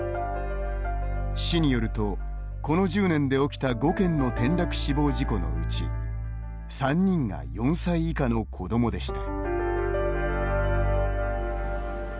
市によると、この１０年で起きた５件の転落死亡事故のうち３人が４歳以下の子どもでした。